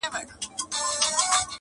له ځالیو به راپورته داسي شخول سو -